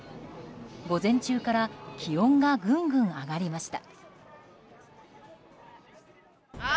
午前中から気温がぐんぐん上がりました。